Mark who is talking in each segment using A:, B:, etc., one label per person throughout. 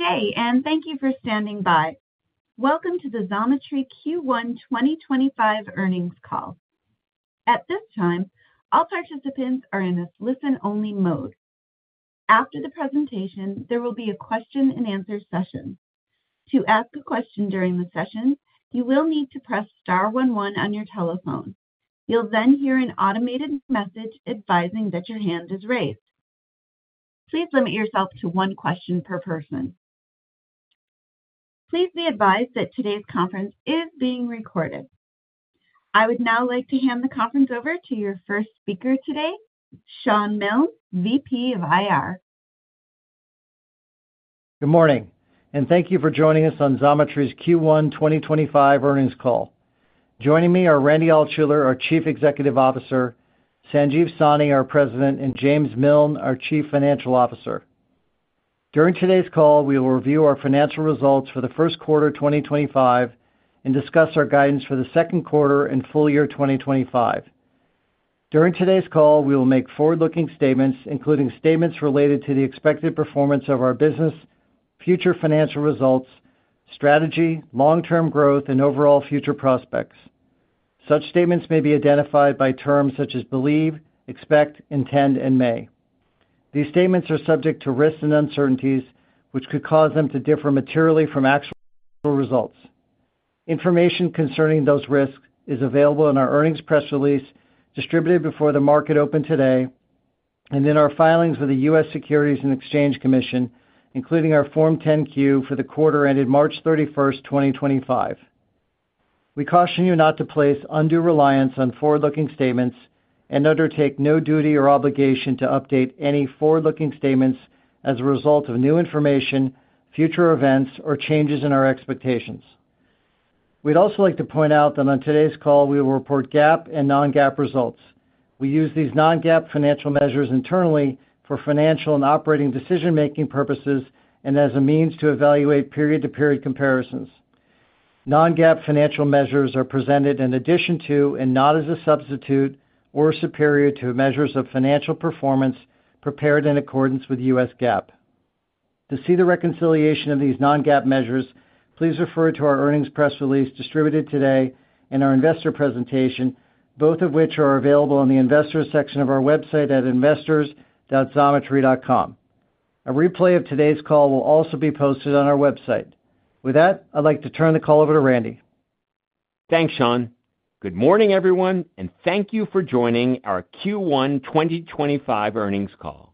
A: Good day, and thank you for standing by. Welcome to the Xometry Q1 2025 Earnings Call. At this time, all participants are in a listen-only mode. After the presentation, there will be a question-and-answer session. To ask a question during the session, you will need to press star one one on your telephone. You'll then hear an automated message advising that your hand is raised. Please limit yourself to one question per person. Please be advised that today's conference is being recorded. I would now like to hand the conference over to your first speaker today, Shawn Milne, VP of IR.
B: Good morning, and thank you for joining us on Xometry's Q1 2025 Earnings Call. Joining me are Randy Altschuler, our Chief Executive Officer; Sanjeev Sahni, our President; and James Miln, our Chief Financial Officer. During today's call, we will review our financial results for the first quarter 2025 and discuss our guidance for the second quarter and full year 2025. During today's call, we will make forward-looking statements, including statements related to the expected performance of our business, future financial results, strategy, long-term growth, and overall future prospects. Such statements may be identified by terms such as believe, expect, intend, and may. These statements are subject to risks and uncertainties, which could cause them to differ materially from actual results. Information concerning those risks is available in our earnings press release distributed before the market open today and in our filings with the U.S. Securities and Exchange Commission, including our Form 10-Q for the quarter ended March 31st, 2025. We caution you not to place undue reliance on forward-looking statements and undertake no duty or obligation to update any forward-looking statements as a result of new information, future events, or changes in our expectations. We would also like to point out that on today's call, we will report GAAP and non-GAAP results. We use these non-GAAP financial measures internally for financial and operating decision-making purposes and as a means to evaluate period-to-period comparisons. Non-GAAP financial measures are presented in addition to and not as a substitute or superior to measures of financial performance prepared in accordance with U.S. GAAP. To see the reconciliation of these non-GAAP measures, please refer to our earnings press release distributed today and our investor presentation, both of which are available in the investors section of our website at investors.xometry.com. A replay of today's call will also be posted on our website. With that, I'd like to turn the call over to Randy.
C: Thanks, Shawn. Good morning, everyone, and thank you for joining our Q1 2025 earnings call.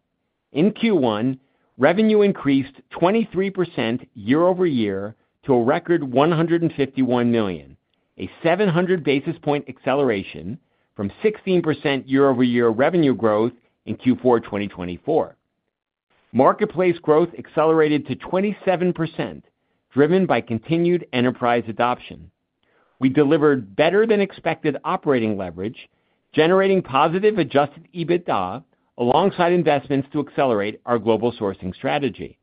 C: In Q1, revenue increased 23% year-over-year to a record $151 million, a 700 basis point acceleration from 16% year-over-year revenue growth in Q4 2024. Marketplace growth accelerated to 27%, driven by continued enterprise adoption. We delivered better-than-expected operating leverage, generating positive adjusted EBITDA alongside investments to accelerate our global sourcing strategy.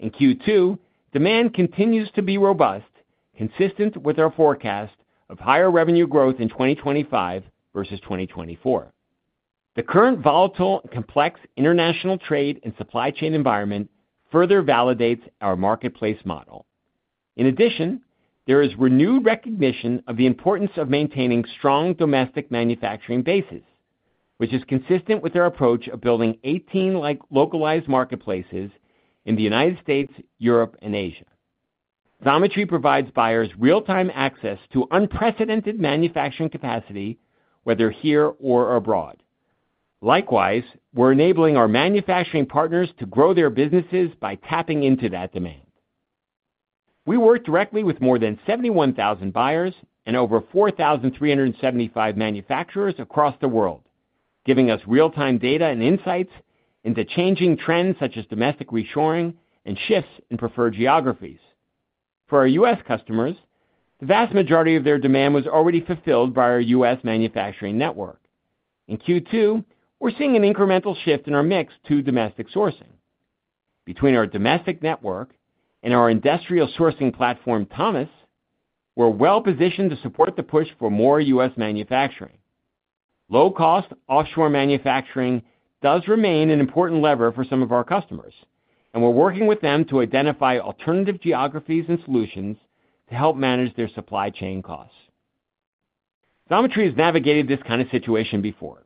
C: In Q2, demand continues to be robust, consistent with our forecast of higher revenue growth in 2025 versus 2024. The current volatile and complex international trade and supply chain environment further validates our marketplace model. In addition, there is renewed recognition of the importance of maintaining strong domestic manufacturing bases, which is consistent with our approach of building 18 localized marketplaces in the United States, Europe, and Asia. Xometry provides buyers real-time access to unprecedented manufacturing capacity, whether here or abroad. Likewise, we're enabling our manufacturing partners to grow their businesses by tapping into that demand. We work directly with more than 71,000 buyers and over 4,375 manufacturers across the world, giving us real-time data and insights into changing trends such as domestic reshoring and shifts in preferred geographies. For our U.S. customers, the vast majority of their demand was already fulfilled by our U.S. manufacturing network. In Q2, we're seeing an incremental shift in our mix to domestic sourcing. Between our domestic network and our industrial sourcing platform, Thomasnet, we're well-positioned to support the push for more U.S. manufacturing. Low-cost offshore manufacturing does remain an important lever for some of our customers, and we're working with them to identify alternative geographies and solutions to help manage their supply chain costs. Xometry has navigated this kind of situation before.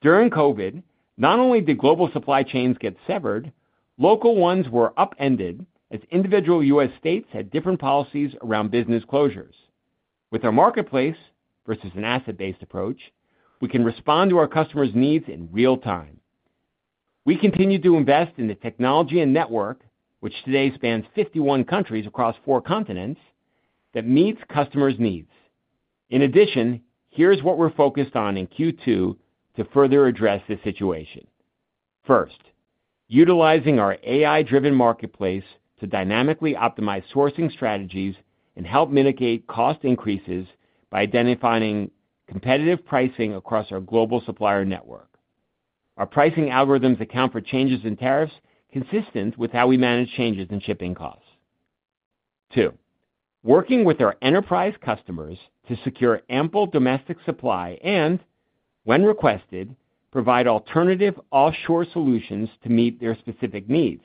C: During COVID, not only did global supply chains get severed, local ones were upended as individual U.S. states had different policies around business closures. With our marketplace versus an asset-based approach, we can respond to our customers' needs in real time. We continue to invest in the technology and network, which today spans 51 countries across four continents, that meets customers' needs. In addition, here's what we're focused on in Q2 to further address this situation. First, utilizing our AI-driven marketplace to dynamically optimize sourcing strategies and help mitigate cost increases by identifying competitive pricing across our global supplier network. Our pricing algorithms account for changes in tariffs consistent with how we manage changes in shipping costs. Two, working with our enterprise customers to secure ample domestic supply and, when requested, provide alternative offshore solutions to meet their specific needs.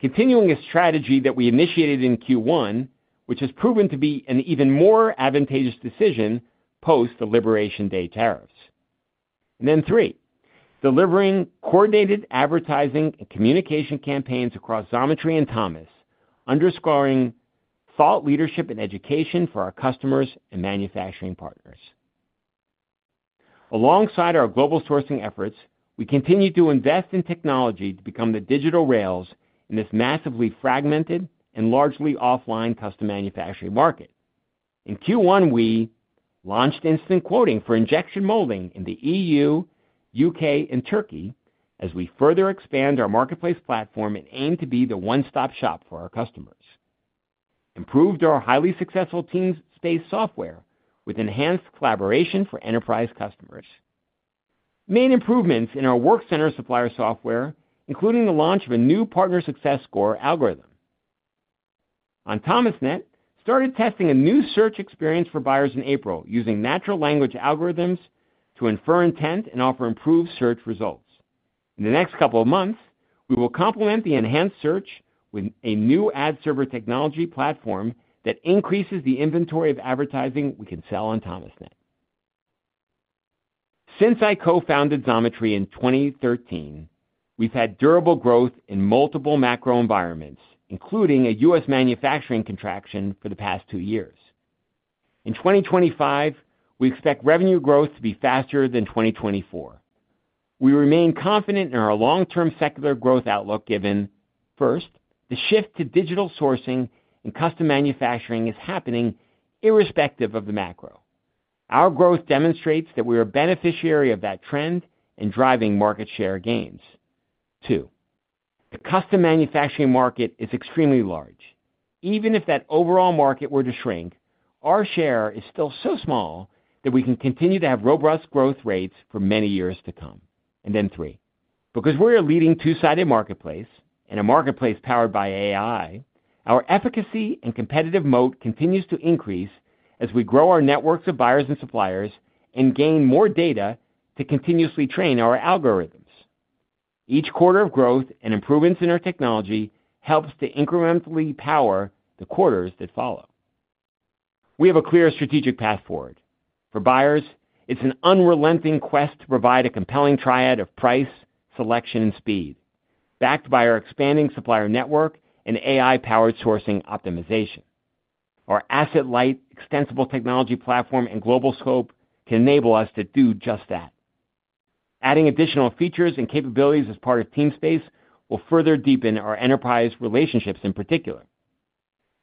C: Continuing a strategy that we initiated in Q1, which has proven to be an even more advantageous decision post the Liberation Day tariffs. Then, delivering coordinated advertising and communication campaigns across Xometry and Thomas, underscoring thought leadership and education for our customers and manufacturing partners. Alongside our global sourcing efforts, we continue to invest in technology to become the digital rails in this massively fragmented and largely offline custom manufacturing market. In Q1, we launched instant quoting for injection molding in the EU, U.K., and Turkey as we further expand our marketplace platform and aim to be the one-stop shop for our customers. Improved our highly successful Teamspace software with enhanced collaboration for enterprise customers. Main improvements in our Workcenter supplier software, including the launch of a new partner success score algorithm. On Thomasnet, started testing a new search experience for buyers in April using natural language algorithms to infer intent and offer improved search results. In the next couple of months, we will complement the enhanced search with a new ad server technology platform that increases the inventory of advertising we can sell on Thomasnet. Since I co-founded Xometry in 2013, we've had durable growth in multiple macro environments, including a U.S. manufacturing contraction for the past two years. In 2025, we expect revenue growth to be faster than 2024. We remain confident in our long-term secular growth outlook given, first, the shift to digital sourcing and custom manufacturing is happening irrespective of the macro. Our growth demonstrates that we are a beneficiary of that trend and driving market share gains. Two, the custom manufacturing market is extremely large. Even if that overall market were to shrink, our share is still so small that we can continue to have robust growth rates for many years to come. Three, because we are a leading two-sided marketplace and a marketplace powered by AI, our efficacy and competitive moat continues to increase as we grow our networks of buyers and suppliers and gain more data to continuously train our algorithms. Each quarter of growth and improvements in our technology helps to incrementally power the quarters that follow. We have a clear strategic path forward. For buyers, it is an unrelenting quest to provide a compelling triad of price, selection, and speed, backed by our expanding supplier network and AI-powered sourcing optimization. Our asset-light, extensible technology platform and global scope can enable us to do just that. Adding additional features and capabilities as part of Teamspace will further deepen our enterprise relationships in particular.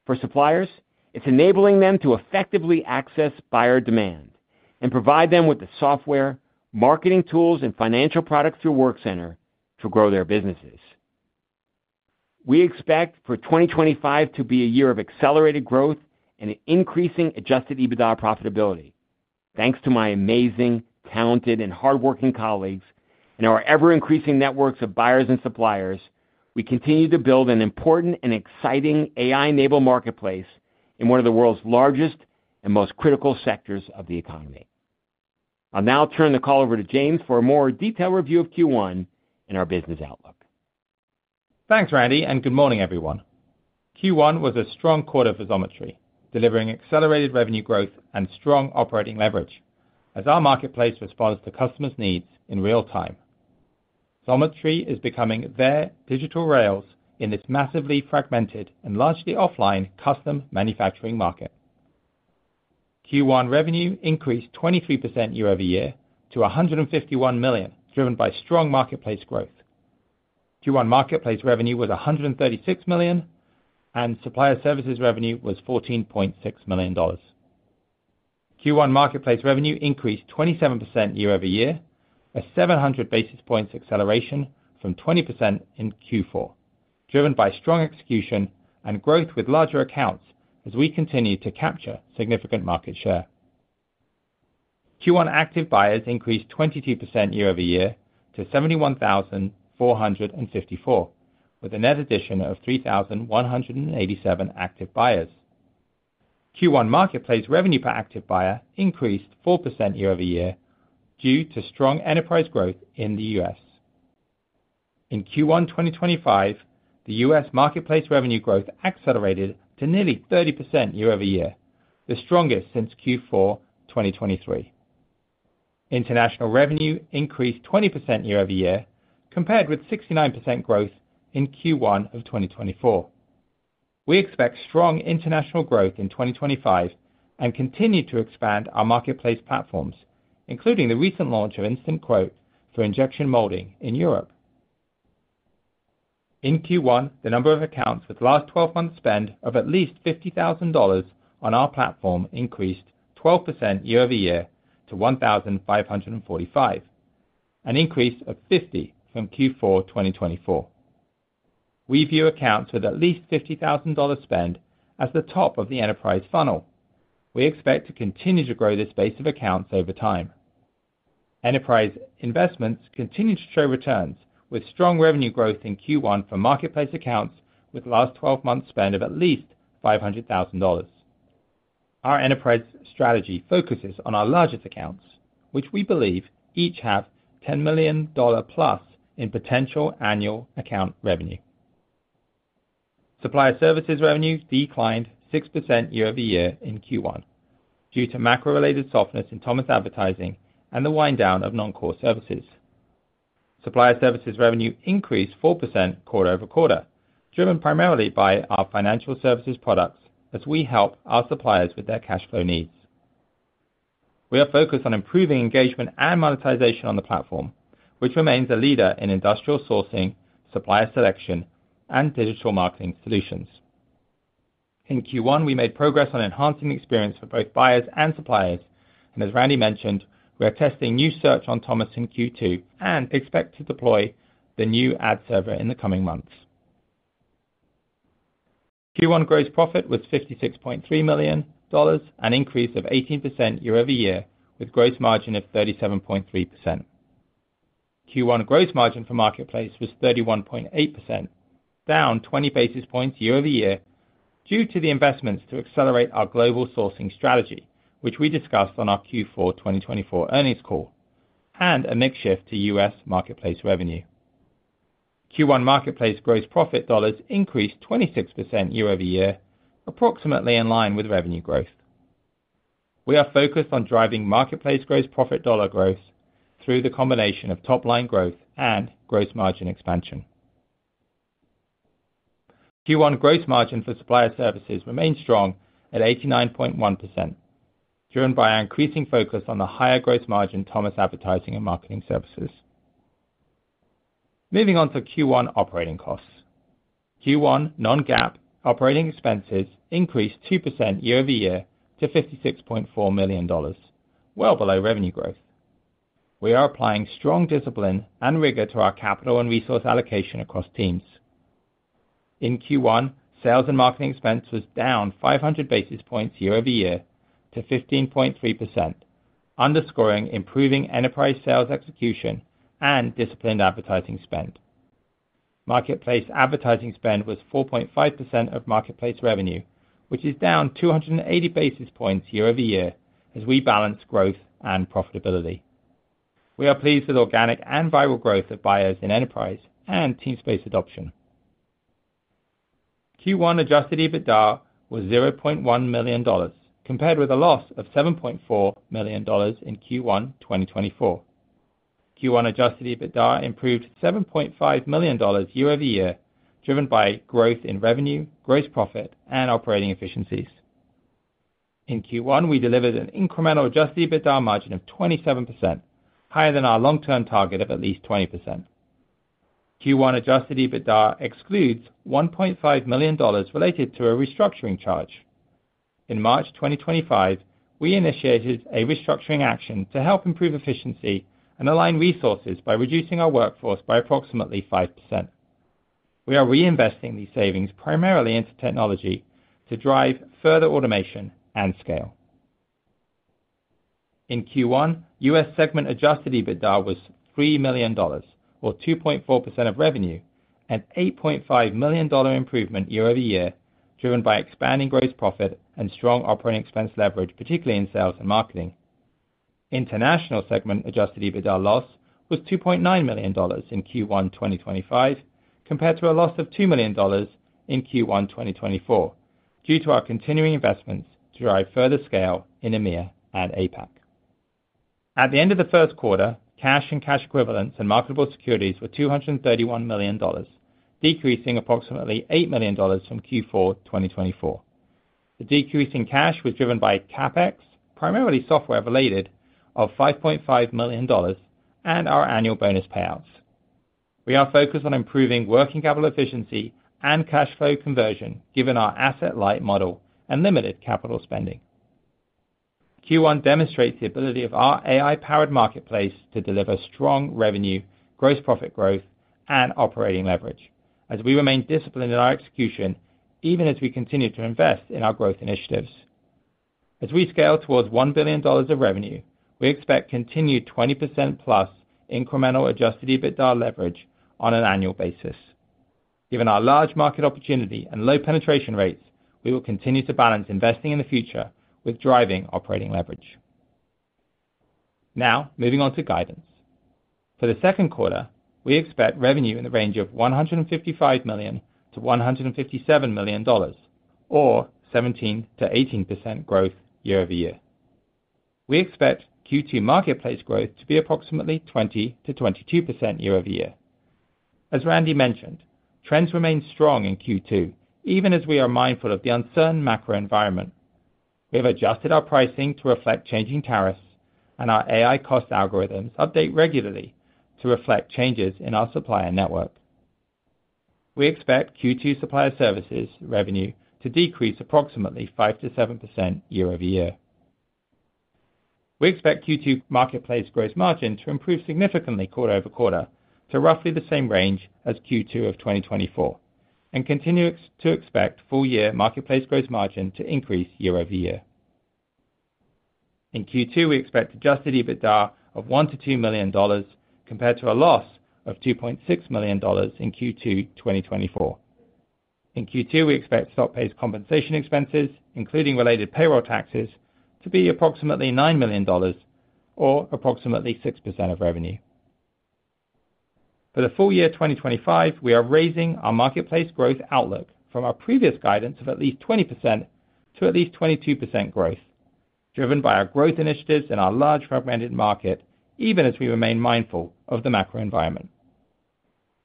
C: For suppliers, it's enabling them to effectively access buyer demand and provide them with the software, marketing tools, and financial products through Workcenter to grow their businesses. We expect for 2025 to be a year of accelerated growth and increasing adjusted EBITDA profitability. Thanks to my amazing, talented, and hardworking colleagues and our ever-increasing networks of buyers and suppliers, we continue to build an important and exciting AI-enabled marketplace in one of the world's largest and most critical sectors of the economy. I'll now turn the call over to James for a more detailed review of Q1 and our business outlook.
D: Thanks, Randy, and good morning, everyone. Q1 was a strong quarter for Xometry, delivering accelerated revenue growth and strong operating leverage as our marketplace responds to customers' needs in real time. Xometry is becoming their digital rails in this massively fragmented and largely offline custom manufacturing market. Q1 revenue increased 23% year-over-year to $151 million, driven by strong marketplace growth. Q1 marketplace revenue was $136 million, and supplier services revenue was $14.6 million. Q1 marketplace revenue increased 27% year-over-year, a 700 basis points acceleration from 20% in Q4, driven by strong execution and growth with larger accounts as we continue to capture significant market share. Q1 active buyers increased 22% year-over-year to 71,454, with an addition of 3,187 active buyers. Q1 marketplace revenue per active buyer increased 4% year-over-year due to strong enterprise growth in the U.S. In Q1 2025, the U.S. Marketplace revenue growth accelerated to nearly 30% year-over-year, the strongest since Q4 2023. International revenue increased 20% year-over-year, compared with 69% growth in Q1 of 2024. We expect strong international growth in 2025 and continue to expand our marketplace platforms, including the recent launch of instant quote for injection molding in Europe. In Q1, the number of accounts with last 12 months spend of at least $50,000 on our platform increased 12% year-over-year to 1,545, an increase of 50 from Q4 2024. We view accounts with at least $50,000 spend as the top of the enterprise funnel. We expect to continue to grow this base of accounts over time. Enterprise investments continue to show returns with strong revenue growth in Q1 for marketplace accounts with last 12 months spend of at least $500,000. Our enterprise strategy focuses on our largest accounts, which we believe each have $10 million plus in potential annual account revenue. Supplier services revenue declined 6% year-over-year in Q1 due to macro-related softness in Thomasnet Advertising and the wind down of non-core services. Supplier services revenue increased 4% quarter over quarter, driven primarily by our financial services products as we help our suppliers with their cash flow needs. We are focused on improving engagement and monetization on the platform, which remains a leader in industrial sourcing, supplier selection, and digital marketing solutions. In Q1, we made progress on enhancing the experience for both buyers and suppliers, and Randy mentioned, we are testing new search on Thomas in Q2 and expect to deploy the new ad server in the coming months. Q1 gross profit was $56.3 million and increased 18% year-over-year with gross margin of 37.3%. Q1 gross margin for marketplace was 31.8%, down 20 basis points year-over-year due to the investments to accelerate our global sourcing strategy, which we discussed on our Q4 2024 earnings call and a mix shift to U.S. marketplace revenue. Q1 marketplace gross profit dollars increased 26% year-over-year, approximately in line with revenue growth. We are focused on driving marketplace gross profit dollar growth through the combination of top-line growth and gross margin expansion. Q1 gross margin for supplier services remained strong at 89.1%, driven by our increasing focus on the higher gross margin Thomas Advertising and Marketing Services. Moving on 2Q1 operating costs. Q1 non-GAAP operating expenses increased 2% year-over-year to $56.4 million, well below revenue growth. We are applying strong discipline and rigor to our capital and resource allocation across teams. In Q1, sales and marketing expense was down 500 basis points year-over-year to 15.3%, underscoring improving enterprise sales execution and disciplined advertising spend. Marketplace advertising spend was 4.5% of marketplace revenue, which is down 280 basis points year-over-year as we balance growth and profitability. We are pleased with organic and viral growth of buyers in enterprise and Teamspace adoption. Q1 adjusted EBITDA was $0.1 million, compared with a loss of $7.4 million in Q1 2024. Q1 adjusted EBITDA improved $7.5 million year-over-year, driven by growth in revenue, gross profit, and operating efficiencies. In Q1, we delivered an incremental adjusted EBITDA margin of 27%, higher than our long-term target of at least 20%. Q1 adjusted EBITDA excludes $1.5 million related to a restructuring charge. In March 2025, we initiated a restructuring action to help improve efficiency and align resources by reducing our workforce by approximately 5%. We are reinvesting these savings primarily into technology to drive further automation and scale. In Q1, U.S. segment adjusted EBITDA was $3 million, or 2.4% of revenue, an $8.5 million improvement year-over-year, driven by expanding gross profit and strong operating expense leverage, particularly in sales and marketing. International segment adjusted EBITDA loss was $2.9 million in Q1 2025, compared to a loss of $2 million in Q1 2024, due to our continuing investments to drive further scale in EMEA and APAC. At the end of the first quarter, cash and cash equivalents and marketable securities were $231 million, decreasing approximately $8 million from Q4 2024. The decrease in cash was driven by CapEx, primarily software-related, of $5.5 million and our annual bonus payouts. We are focused on improving working capital efficiency and cash flow conversion, given our asset-light model and limited capital spending. Q1 demonstrates the ability of our AI-powered marketplace to deliver strong revenue, gross profit growth, and operating leverage, as we remain disciplined in our execution, even as we continue to invest in our growth initiatives. As we scale towards $1 billion of revenue, we expect continued 20%+ incremental adjusted EBITDA leverage on an annual basis. Given our large market opportunity and low penetration rates, we will continue to balance investing in the future with driving operating leverage. Now, moving on to guidance. For the second quarter, we expect revenue in the range of $155 million-$157 million, or 17%-18% growth year-over-year. We expect Q2 marketplace growth to be approximately 20%-22% year-over-year. As Randy mentioned, trends remain strong in Q2, even as we are mindful of the uncertain macro environment. We have adjusted our pricing to reflect changing tariffs, and our AI cost algorithms update regularly to reflect changes in our supplier network. We expect Q2 supplier services revenue to decrease approximately 5%-7% year-over-year. We expect Q2 marketplace gross margin to improve significantly quarter over quarter to roughly the same range as Q2 of 2024, and continue to expect full-year marketplace gross margin to increase year-over-year. In Q2, we expect adjusted EBITDA of $1 million-$2 million, compared to a loss of $2.6 million in Q2 2024. In Q2, we expect stock-based compensation expenses, including related payroll taxes, to be approximately $9 million, or approximately 6% of revenue. For the full year 2025, we are raising our marketplace growth outlook from our previous guidance of at least 20% to at least 22% growth, driven by our growth initiatives and our large fragmented market, even as we remain mindful of the macro environment.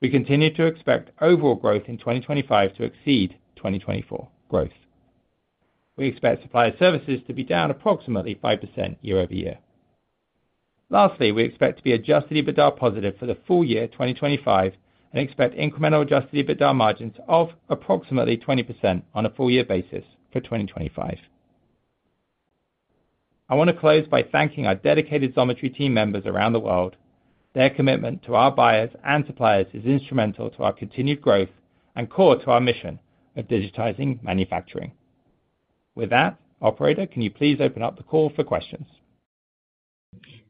D: We continue to expect overall growth in 2025 to exceed 2024 growth. We expect supplier services to be down approximately 5% year-over-year. Lastly, we expect to be adjusted EBITDA positive for the full year 2025 and expect incremental adjusted EBITDA margins of approximately 20% on a full-year basis for 2025. I want to close by thanking our dedicated Xometry team members around the world. Their commitment to our buyers and suppliers is instrumental to our continued growth and core to our mission of digitizing manufacturing. With that, Operator, can you please open up the call for questions?
A: Thank you.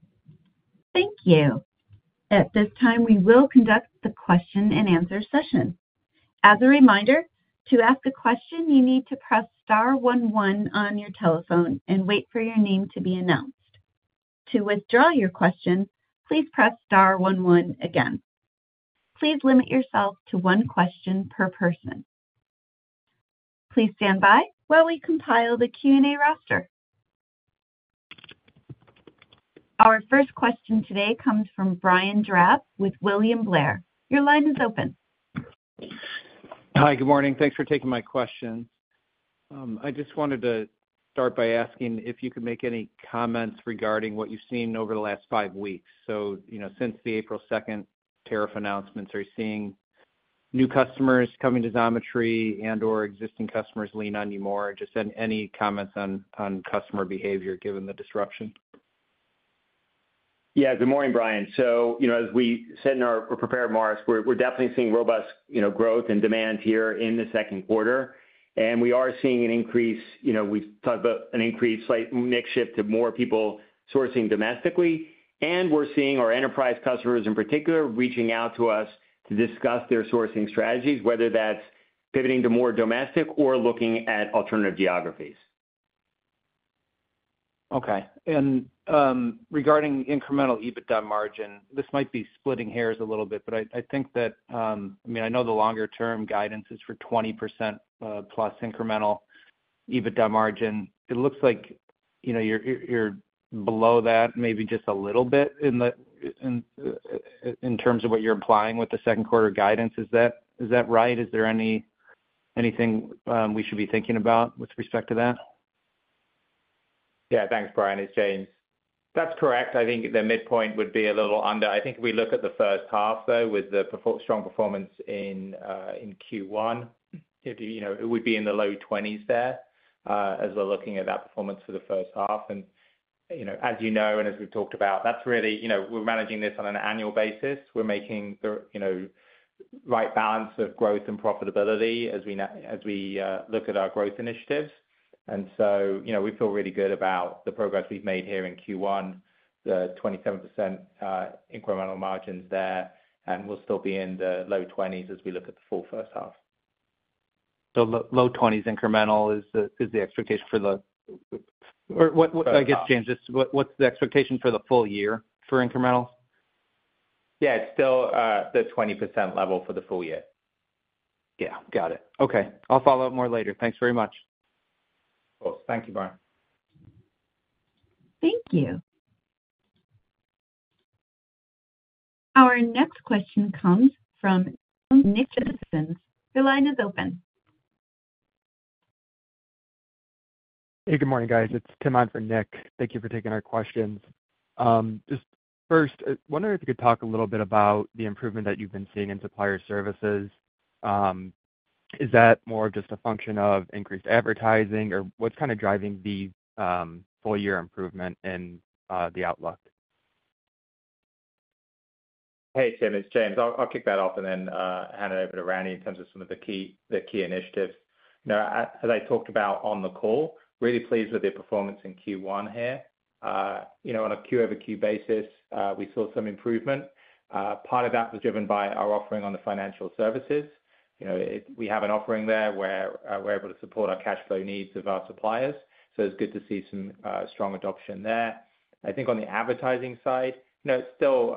A: At this time, we will conduct the question-and-answer session. As a reminder, to ask a question, you need to press star one one on your telephone and wait for your name to be announced. To withdraw your question, please press star one one again. Please limit yourself to one question per person. Please stand by while we compile the Q&A roster. Our first question today comes from Brian Drab with William Blair. Your line is open.
E: Hi, good morning. Thanks for taking my question. I just wanted to start by asking if you could make any comments regarding what you've seen over the last five weeks. You know, since the April 2 tariff announcements, are you seeing new customers coming to Xometry and/or existing customers lean on you more? Just any comments on customer behavior given the disruption?
C: Yeah, good morning, Brian. You know, as we said in our prepared more, we're definitely seeing robust, you know, growth and demand here in the second quarter. We are seeing an increase, you know, we've talked about an increase, slight mix shift to more people sourcing domestically. We are seeing our enterprise customers in particular reaching out to us to discuss their sourcing strategies, whether that's pivoting to more domestic or looking at alternative geographies.
E: Okay. Regarding incremental EBITDA margin, this might be splitting hairs a little bit, but I think that, I mean, I know the longer-term guidance is for 20% plus incremental EBITDA margin. It looks like, you know, you're below that maybe just a little bit in the, in terms of what you're implying with the second quarter guidance. Is that right? Is there anything we should be thinking about with respect to that?
D: Yeah, thanks, Brian. It's James. That's correct. I think the midpoint would be a little under. I think if we look at the first half, though, with the strong performance in Q1, it would be in the low 20% there as we're looking at that performance for the first half. And, you know, as you know, and as we've talked about, that's really, you know, we're managing this on an annual basis. We're making the, you know, right balance of growth and profitability as we look at our growth initiatives. And, you know, we feel really good about the progress we've made here in Q1, the 27% incremental margins there, and we'll still be in the low 20% as we look at the full first half.
E: Low 20s incremental is the expectation for the, or I guess, James, what's the expectation for the full year for incrementals?
D: Yeah, it's still the 20% level for the full year.
E: Yeah, got it. Okay. I'll follow up more later. Thanks very much.
D: Of course. Thank you, Brian.
A: Thank you. Our next question comes from. Your line is open. Hey, good morning, guys. It's Tim on for Nick. Thank you for taking our questions. Just first, I wonder if you could talk a little bit about the improvement that you've been seeing in supplier services. Is that more of just a function of increased advertising, or what's kind of driving the full-year improvement in the outlook?
D: Hey, Tim, it's James. I'll kick that off and then hand it over to Randy in terms of some of the key initiatives. You know, as I talked about on the call, really pleased with the performance in Q1 here. You know, on a Q over Q basis, we saw some improvement. Part of that was driven by our offering on the financial services. You know, we have an offering there where we're able to support our cash flow needs of our suppliers. So it's good to see some strong adoption there. I think on the advertising side, you know, it's still,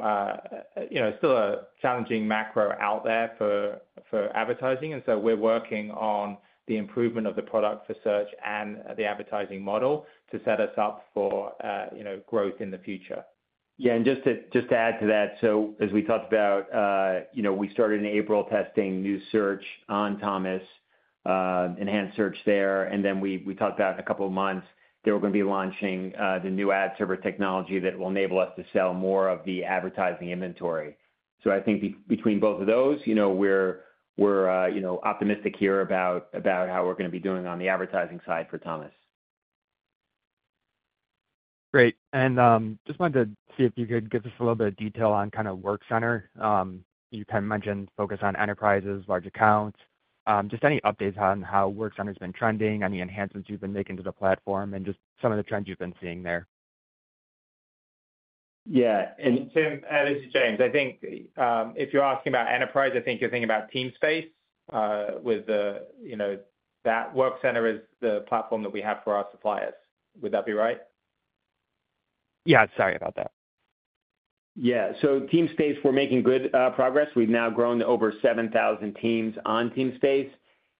D: you know, still a challenging macro out there for advertising. And so we're working on the improvement of the product for search and the advertising model to set us up for, you know, growth in the future.
C: Yeah, and just to add to that, as we talked about, you know, we started in April testing new search on Thomas, enhanced search there. And then we talked about in a couple of months, they were going to be launching the new ad server technology that will enable us to sell more of the advertising inventory. I think between both of those, you know, we're, you know, optimistic here about how we're going to be doing on the advertising side for Thomas. Great. I just wanted to see if you could give us a little bit of detail on kind of Workcenter. You kind of mentioned focus on enterprises, large accounts. Just any updates on how Workcenter has been trending, any enhancements you've been making to the platform, and just some of the trends you've been seeing there.
D: Yeah. Tim, as you say, James, I think if you're asking about enterprise, I think you're thinking about Teamspace with the, you know, that Workcenter is the platform that we have for our suppliers. Would that be right? Yeah, sorry about that.
C: Yeah. Teamspace, we're making good progress. We've now grown to over 7,000 teams on Teamspace.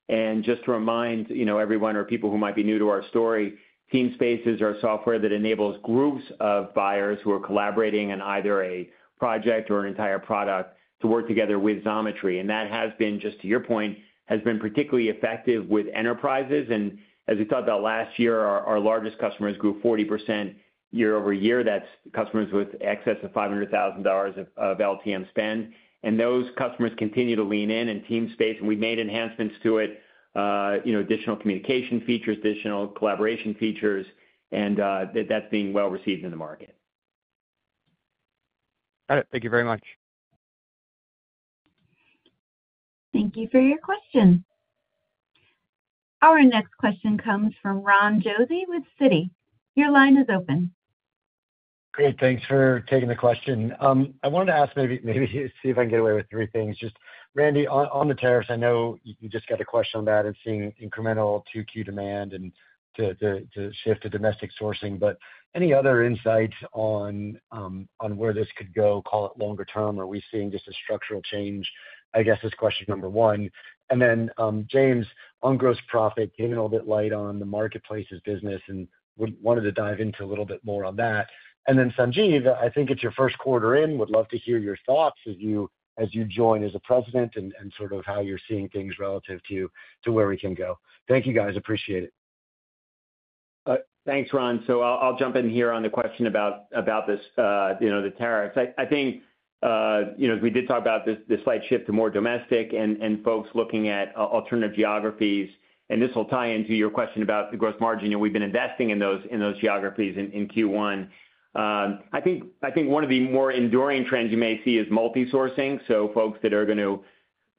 C: And just to remind, you know, everyone or people who might be new to our story, Teamspace is our software that enables groups of buyers who are collaborating on either a project or an entire product to work together with Xometry. That has been, just to your point, has been particularly effective with enterprises. As we talked about last year, our largest customers grew 40% year over year. That's customers with excess of $500,000 of LTM spend. Those customers continue to lean in and Teamspace. We've made enhancements to it, you know, additional communication features, additional collaboration features, and that's being well received in the market. All right. Thank you very much.
A: Thank you for your question. Our next question comes from Ron Josey with Citi. Your line is open.
F: Great. Thanks for taking the question. I wanted to ask maybe see if I can get away with three things. Just Randy, on the tariffs, I know you just got a question on that and seeing incremental 2Q demand and to shift to domestic sourcing. Any other insights on where this could go, call it longer term, or are we seeing just a structural change? I guess this is question number one. James, on gross profit, giving a little bit of light on the marketplace's business and wanted to dive into a little bit more on that. Sanjeev, I think it's your first quarter in. Would love to hear your thoughts as you join as President and sort of how you're seeing things relative to where we can go. Thank you, guys. Appreciate it.
C: Thanks, Ron. I'll jump in here on the question about this, you know, the tariffs. I think, you know, as we did talk about this slight shift to more domestic and folks looking at alternative geographies. This will tie into your question about the gross margin. You know, we've been investing in those geographies in Q1. I think one of the more enduring trends you may see is multi-sourcing. Folks are going to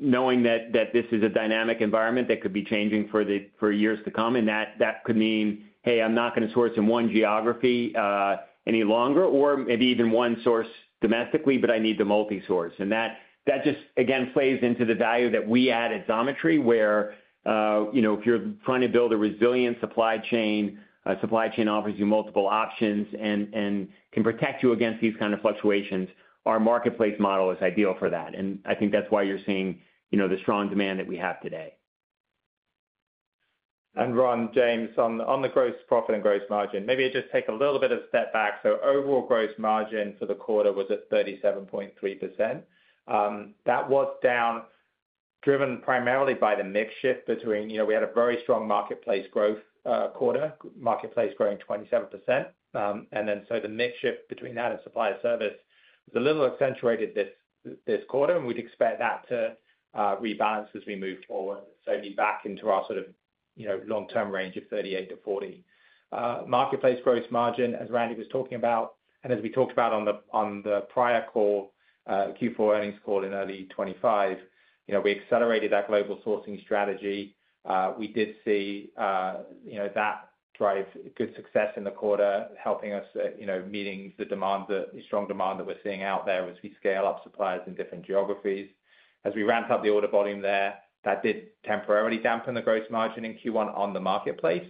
C: know that this is a dynamic environment that could be changing for years to come. That could mean, hey, I'm not going to source in one geography any longer, or maybe even one source domestically, but I need to multi-source. That just, again, plays into the value that we add at Xometry, where, you know, if you're trying to build a resilient supply chain, a supply chain offers you multiple options and can protect you against these kinds of fluctuations. Our marketplace model is ideal for that. I think that's why you're seeing, you know, the strong demand that we have today.
D: Ron, James, on the gross profit and gross margin, maybe I just take a little bit of a step back. Overall gross margin for the quarter was at 37.3%. That was down, driven primarily by the mix shift between, you know, we had a very strong marketplace growth quarter, marketplace growing 27%. The mix shift between that and supply service was a little accentuated this quarter. We'd expect that to rebalance as we move forward, certainly back into our sort of, you know, long-term range of 38%-40%. Marketplace gross margin, as Randy was talking about, and as we talked about on the prior call, Q4 earnings call in early 2025, you know, we accelerated that global sourcing strategy. We did see, you know, that drive good success in the quarter, helping us, you know, meeting the demand, the strong demand that we're seeing out there as we scale up suppliers in different geographies. As we ramped up the order volume there, that did temporarily dampen the gross margin in Q1 on the marketplace.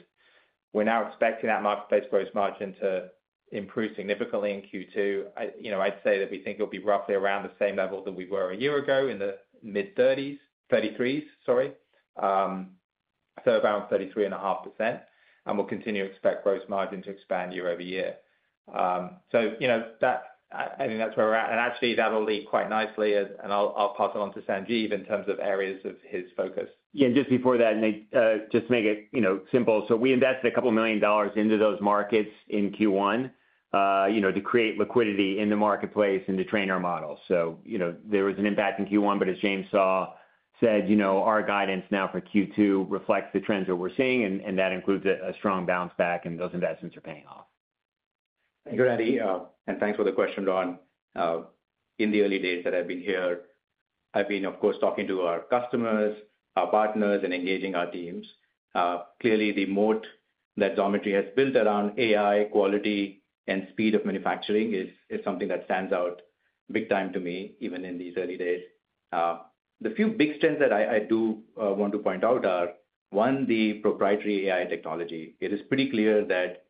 D: We're now expecting that marketplace gross margin to improve significantly in Q2. You know, I'd say that we think it'll be roughly around the same level that we were a year ago in the mid-30s, 33s, sorry, so around 33.5%. We will continue to expect gross margin to expand year over year. You know, I think that's where we're at. Actually, that'll lead quite nicely. I'll pass it on to Sanjeev in terms of areas of his focus.
C: Yeah. Just before that, just to make it, you know, simple, we invested a couple of million dollars into those markets in Q1, you know, to create liquidity in the marketplace and to train our models. So, you know, there was an impact in Q1, but as James said, you know, our guidance now for Q2 reflects the trends that we're seeing. That includes a strong bounce back, and those investments are paying off.
G: Thank you, Randy. Thank you for the question, Ron. In the early days that I've been here, I've been, of course, talking to our customers, our partners, and engaging our teams. Clearly, the moat that Xometry has built around AI, quality, and speed of manufacturing is something that stands out big time to me, even in these early days. The few big strengths that I do want to point out are, one, the proprietary AI technology. It is pretty clear that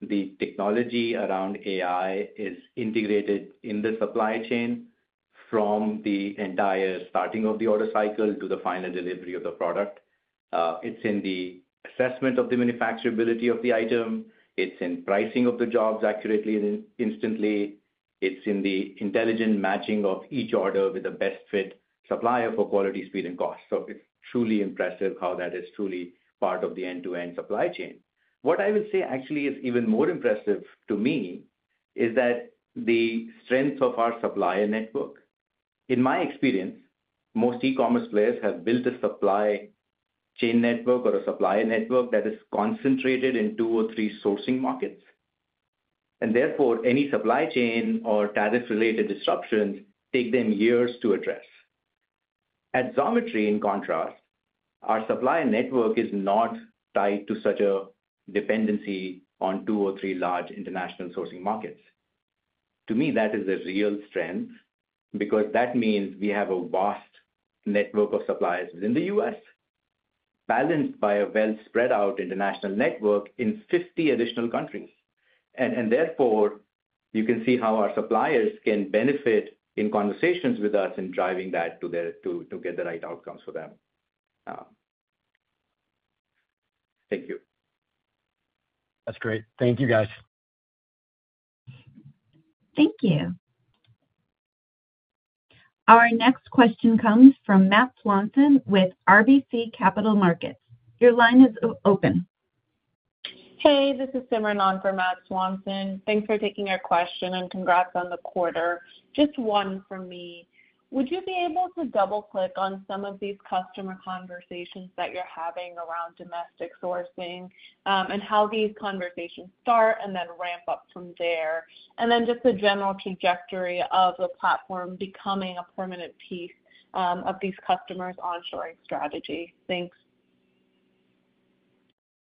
G: the technology around AI is integrated in the supply chain from the entire starting of the order cycle to the final delivery of the product. It is in the assessment of the manufacturability of the item. It is in pricing of the jobs accurately and instantly. It is in the intelligent matching of each order with the best fit supplier for quality, speed, and cost. It is truly impressive how that is truly part of the end-to-end supply chain. What I would say actually is even more impressive to me is the strength of our supplier network. In my experience, most e-commerce players have built a supply chain network or a supplier network that is concentrated in two or three sourcing markets. Therefore, any supply chain or tariff-related disruptions take them years to address. At Xometry, in contrast, our supply network is not tied to such a dependency on two or three large international sourcing markets. To me, that is a real strength because that means we have a vast network of suppliers within the U.S., balanced by a well-spread-out international network in 50 additional countries. Therefore, you can see how our suppliers can benefit in conversations with us in driving that to get the right outcomes for them. Thank you.
F: That's great. Thank you, guys.
A: Thank you. Our next question comes from Matt Swanson with RBC Capital Markets. Your line is open. Hey, this is Simran on for Matt Swanson. Thanks for taking our question and congrats on the quarter. Just one from me. Would you be able to double-click on some of these customer conversations that you're having around domestic sourcing and how these conversations start and then ramp up from there, and then just the general trajectory of the platform becoming a permanent piece of these customers' onshoring strategy? Thanks.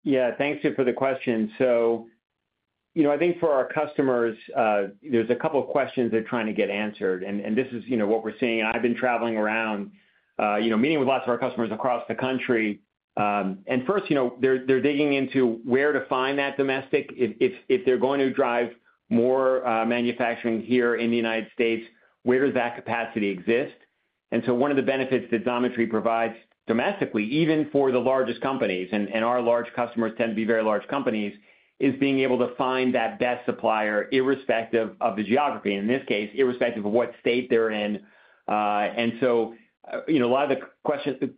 C: Yeah, thanks for the question. You know, I think for our customers, there's a couple of questions they're trying to get answered. This is, you know, what we're seeing. I've been traveling around, you know, meeting with lots of our customers across the country. First, you know, they're digging into where to find that domestic. If they're going to drive more manufacturing here in the United States, where does that capacity exist? One of the benefits that Xometry provides domestically, even for the largest companies, and our large customers tend to be very large companies, is being able to find that best supplier, irrespective of the geography, in this case, irrespective of what state they're in. You know, a lot of the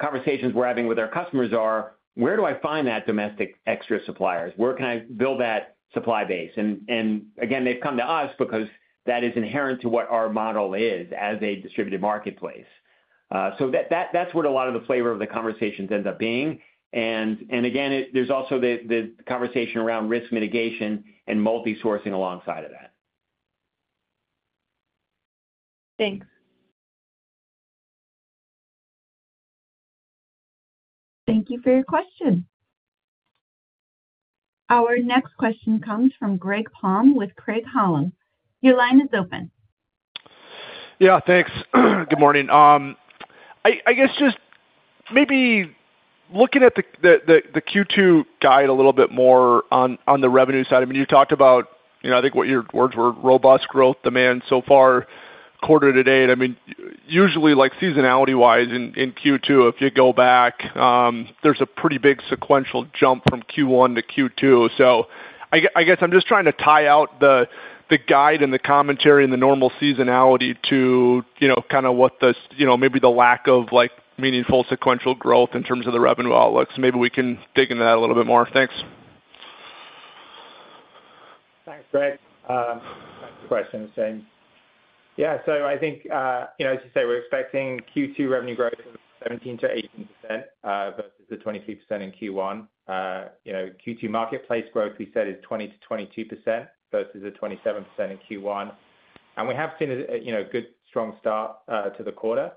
C: conversations we're having with our customers are, where do I find that domestic extra suppliers? Where can I build that supply base? Again, they've come to us because that is inherent to what our model is as a distributed marketplace. That is what a lot of the flavor of the conversations ends up being. Again, there is also the conversation around risk mitigation and multi-sourcing alongside of that. Thanks.
A: Thank you for your question. Our next question comes from Greg Palm with Craig-Hallum. Your line is open.
H: Yeah, thanks. Good morning. I guess just maybe looking at the Q2 guide a little bit more on the revenue side. I mean, you talked about, you know, I think what your words were, robust growth demand so far, quarter to date. I mean, usually, like seasonality-wise in Q2, if you go back, there's a pretty big sequential jump from Q1 to Q2. I guess I'm just trying to tie out the guide and the commentary and the normal seasonality to, you know, kind of what the, you know, maybe the lack of, like, meaningful sequential growth in terms of the revenue outlooks. Maybe we can dig into that a little bit more. Thanks.
D: Thanks, Greg. Question the same. Yeah. So I think, you know, as you say, we're expecting Q2 revenue growth of 17%-18% versus the 23% in Q1. You know, Q2 marketplace growth, we said, is 20%-22% versus the 27% in Q1. And we have seen a, you know, good, strong start to the quarter.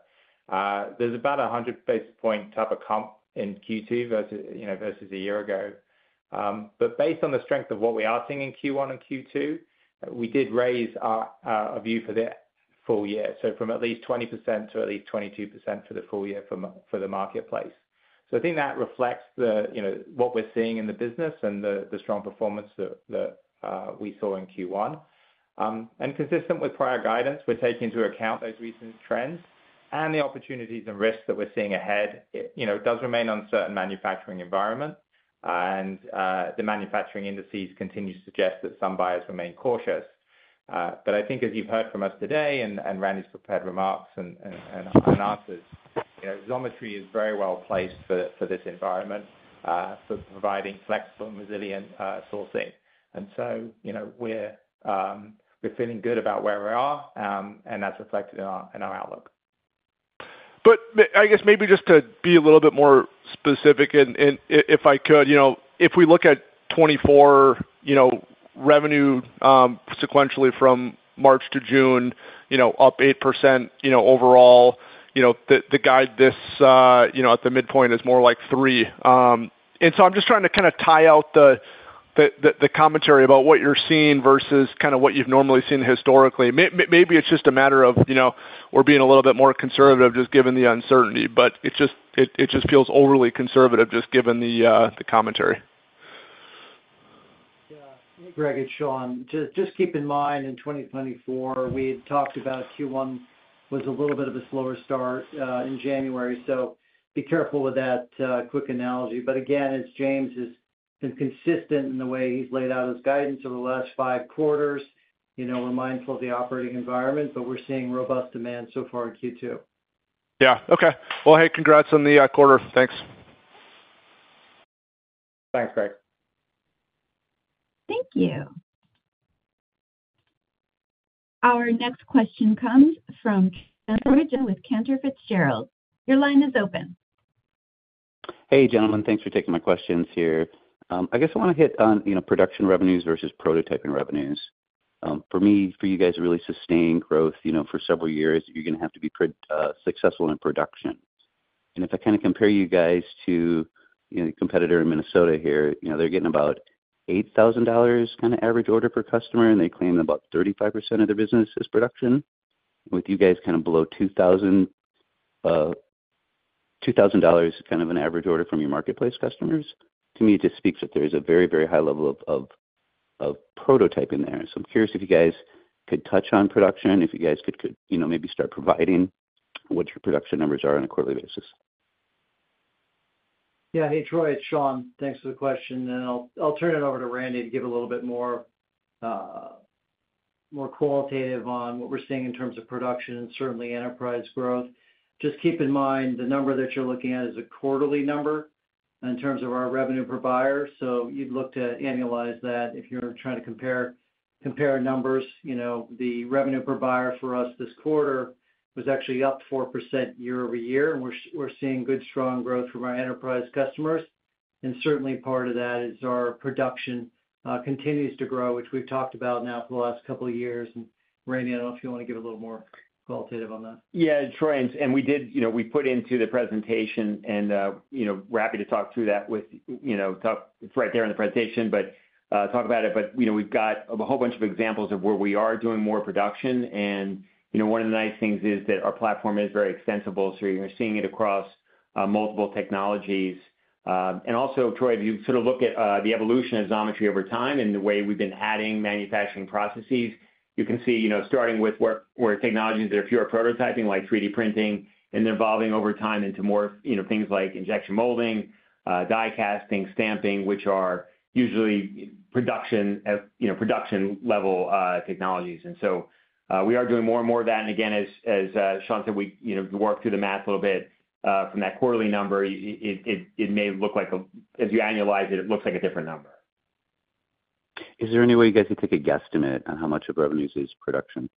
D: There's about a 100 basis point type of comp in Q2 versus a year ago. But based on the strength of what we are seeing in Q1 and Q2, we did raise our view for the full year. So from at least 20% to at least 22% for the full year for the marketplace. So I think that reflects the, you know, what we're seeing in the business and the strong performance that we saw in Q1. Consistent with prior guidance, we're taking into account those recent trends and the opportunities and risks that we're seeing ahead. You know, it does remain uncertain manufacturing environment. The manufacturing indices continue to suggest that some buyers remain cautious. I think, as you've heard from us today and Randy's prepared remarks and answers, you know, Xometry is very well placed for this environment for providing flexible and resilient sourcing. You know, we're feeling good about where we are, and that's reflected in our outlook.
H: I guess maybe just to be a little bit more specific, and if I could, you know, if we look at 2024, you know, revenue sequentially from March to June, you know, up 8%, you know, overall, you know, the guide this, you know, at the midpoint is more like 3%. I am just trying to kind of tie out the commentary about what you're seeing versus kind of what you've normally seen historically. Maybe it's just a matter of, you know, we're being a little bit more conservative just given the uncertainty. It just feels overly conservative just given the commentary.
B: Yeah. Hey, Greg, it's Shawn. Just keep in mind, in 2024, we had talked about Q1 was a little bit of a slower start in January. So be careful with that quick analogy. But again, as James has been consistent in the way he's laid out his guidance over the last five quarters, you know, we're mindful of the operating environment, but we're seeing robust demand so far in Q2.
H: Yeah. Okay. Hey, congrats on the quarter. Thanks.
D: Thanks, Greg.
A: Thank you. Our next question comes Troy Jensen with Cantor Fitzgerald. Your line is open.
I: Hey, gentlemen. Thanks for taking my questions here. I guess I want to hit on, you know, production revenues versus prototyping revenues. For me, for you guys to really sustain growth, you know, for several years, you're going to have to be successful in production. If I kind of compare you guys to, you know, the competitor in Minnesota here, you know, they're getting about $8,000 kind of average order per customer, and they claim about 35% of their business is production. With you guys kind of below $2,000, kind of an average order from your marketplace customers, to me, it just speaks that there is a very, very high level of prototyping there. I'm curious if you guys could touch on production, if you guys could, you know, maybe start providing what your production numbers are on a quarterly basis.
B: Yeah. Hey, Troy, it's Shawn. Thanks for the question. I'll turn it over to Randy to give a little bit more qualitative on what we're seeing in terms of production and certainly enterprise growth. Just keep in mind the number that you're looking at is a quarterly number in terms of our revenue per buyer. You'd look to annualize that if you're trying to compare numbers. You know, the revenue per buyer for us this quarter was actually up 4% year over year. We're seeing good, strong growth from our enterprise customers. Certainly, part of that is our production continues to grow, which we've talked about now for the last couple of years. Randy, I don't know if you want to give a little more qualitative on that.
C: Yeah, Troy. We did, you know, we put into the presentation, and, you know, we're happy to talk through that with, you know, talk right there in the presentation, but talk about it. You know, we've got a whole bunch of examples of where we are doing more production. One of the nice things is that our platform is very extensible. You are seeing it across multiple technologies. Also, Troy, if you sort of look at the evolution of Xometry over time and the way we've been adding manufacturing processes, you can see, you know, starting with where technologies that are fewer prototyping, like 3D printing, and they're evolving over time into more, you know, things like injection molding, die casting, stamping, which are usually production, you know, production-level technologies. We are doing more and more of that. As Shawn said, we, you know, work through the math a little bit. From that quarterly number, it may look like a, as you annualize it, it looks like a different number.
I: Is there any way you guys could take a guesstimate on how much of revenues is production?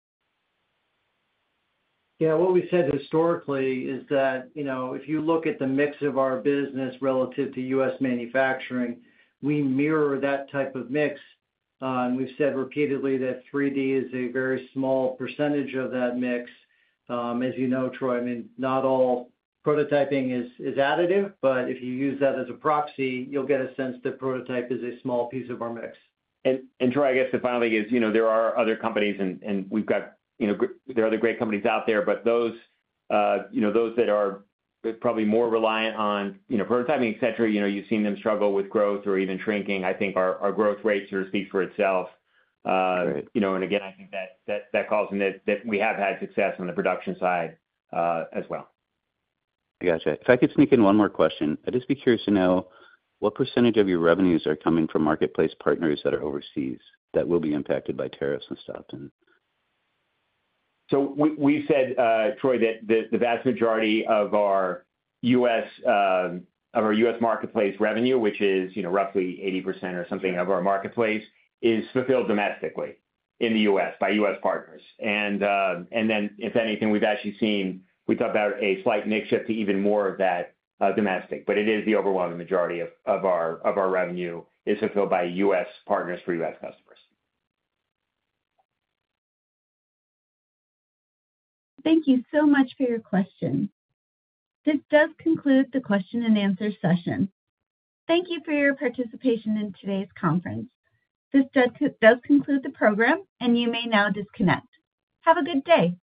B: Yeah. What we said historically is that, you know, if you look at the mix of our business relative to U.S. manufacturing, we mirror that type of mix. And we've said repeatedly that 3D is a very small percentage of that mix. As you know, Troy, I mean, not all prototyping is additive, but if you use that as a proxy, you'll get a sense that prototype is a small piece of our mix.
C: Troy, I guess the final thing is, you know, there are other companies, and we've got, you know, there are other great companies out there. Those, you know, those that are probably more reliant on, you know, prototyping, etc., you know, you've seen them struggle with growth or even shrinking. I think our growth rate sort of speaks for itself. You know, and again, I think that that calls in that we have had success on the production side as well.
I: Gotcha. If I could sneak in one more question, I'd just be curious to know what percentage of your revenues are coming from marketplace partners that are overseas that will be impacted by tariffs and stuff?
C: We said, Troy, that the vast majority of our U.S. marketplace revenue, which is, you know, roughly 80% or something of our marketplace, is fulfilled domestically in the U.S. by U.S. partners. If anything, we've actually seen, we talked about a slight nick shift to even more of that domestic. It is the overwhelming majority of our revenue is fulfilled by U.S. partners for U.S. customers.
A: Thank you so much for your questions. This does conclude the question and answer session. Thank you for your participation in today's conference. This does conclude the program, and you may now disconnect. Have a good day.